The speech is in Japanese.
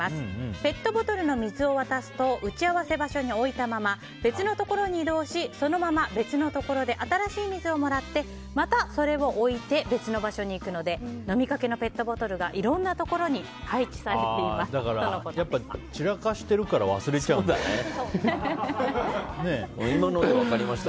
ペットボトルの水を渡すと打ち合わせ場所に置いたまま別のところに移動しそのまま別のところで新しい水をもらってまたそれを置いて別の場所に行くので飲みかけのペットボトルがいろんなところにだから、散らかしているから今ので分かりましたよ。